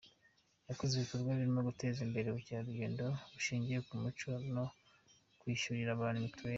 Yakoze ibikorwa birimo guteza imbere ubukerarugendo bushingiye ku umuco no kwishyurira abantu mituweri.